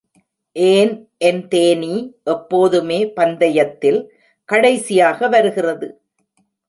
ஏன் என் தேனீ எப்போதுமே பந்தயத்தில் கடைசியாக வருகிறது?